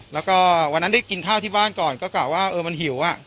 แล้วก็วันนั้นได้กินข้าวที่บ้านก่อนก็กะว่าเออมันหิว